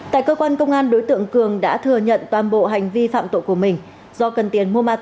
tại cơ quan công an đối tượng cường đã thừa nhận toàn bộ hành vi phạm tội của mình